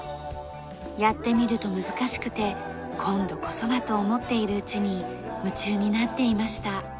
やってみると難しくて「今度こそは」と思っているうちに夢中になっていました。